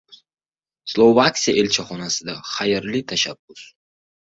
Slovakiya elchixonasidan xayrli tashabbus